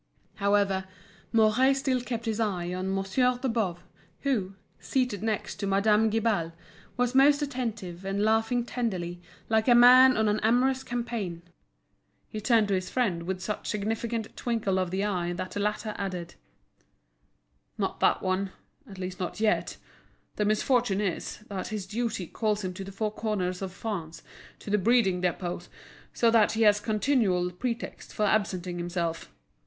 However, Mouret still kept his eye on Monsieur de Boves, who, seated next to Madame Guibal, was most attentive, and laughing tenderly like a man on an amorous campaign; he turned to his friend with such a significant twinkle of the eye that the latter added: "Not that one. At least not yet. The misfortune is, that his duty calls him to the four corners of France, to the breeding depots, so that he has continual pretexts for absenting himself.